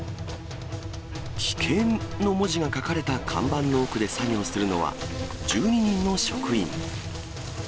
危険の文字が書かれた看板の奥で作業するのは、１２人の職員。